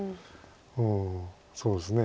うんそうですね。